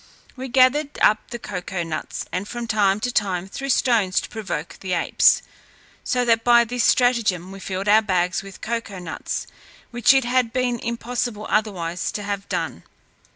We gathered up the cocoa nuts, and from time to time threw stones to provoke the apes; so that by this stratagem we filled our bags with cocoa nuts, which it had been impossible otherwise to have done.